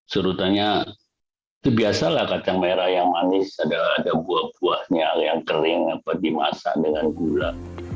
surutannya itu biasalah kacang merah yang manis ada buah buahnya yang kering dimasak dengan gula